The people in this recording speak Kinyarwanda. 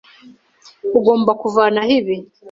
Ugomba kuvanaho ibi.